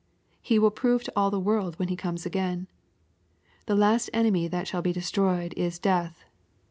He will prove to all the world when He comes again. " The last enemy that shall be destroyed is death."